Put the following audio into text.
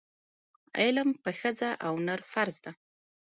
علم په ښځه او نر فرض ده.